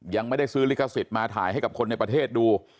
ยังไม่ได้ซื้อลิขสิทธิ์มาถ่ายให้กับคนในประเทศดู